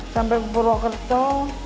sampai ke purwokerto